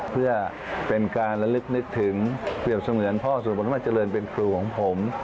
เพื่อเป็นการละลึกนึกถึงเหมือนพ่อสุรพลสมบัติเจริญเป็นครูของผม